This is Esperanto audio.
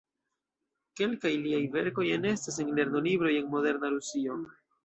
Kelkaj liaj verkoj enestas en lernolibroj en moderna Rusio.